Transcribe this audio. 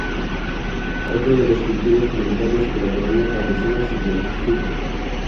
Otro de los cultivos fundamentales en la economía campesina es el de fique.